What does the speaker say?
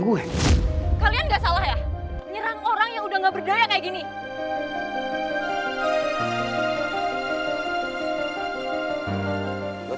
dia gak bakal kapok